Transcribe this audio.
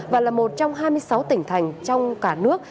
và là một trong hai mươi sáu tỉnh thành trong cả nước